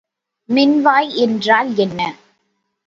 மின்வாய் என்றால் என்ன?